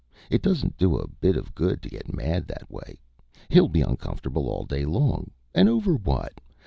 It doesn't do a bit of good to get mad that way. He'll be uncomfortable all day long, and over what?